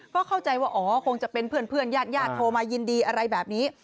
ก็เข้าใจว่าอ๋อคงจะเป็นเพื่อนญาติญาติโทรมายินดีอะไรแบบนี้